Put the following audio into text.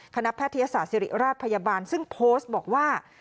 แพทยศาสตร์ศิริราชพยาบาลซึ่งโพสต์บอกว่า